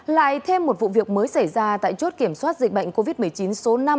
lại thêm một vụ việc mới xảy ra tại chốt kiểm soát dịch bệnh covid một mươi chín số năm